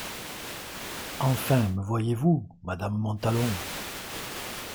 Enfin me voyez-vous :« madame Montalon !